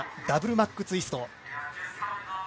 ダブルマックツイスト。